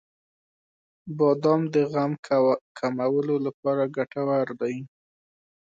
• بادام د غم کمولو لپاره ګټور دی.